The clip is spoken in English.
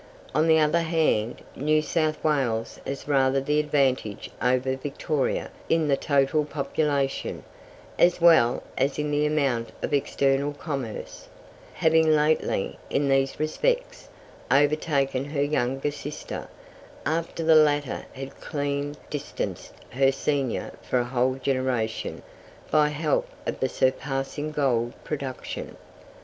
On the other hand, New South Wales has rather the advantage over Victoria in the total population, as well as in the amount of external commerce, having lately, in these respects, overtaken her younger sister, after the latter had clean distanced her senior for a whole generation by help of the surpassing gold production.